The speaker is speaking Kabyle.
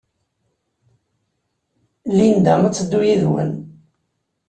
Linda ad teddu yid-wen.